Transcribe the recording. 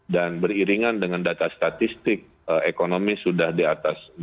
beriringan dengan data statistik ekonomi sudah di atas